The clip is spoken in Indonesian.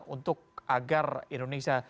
untuk agar indonesia